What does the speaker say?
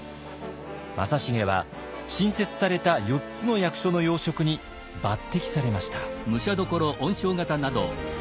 正成は新設された４つの役所の要職に抜てきされました。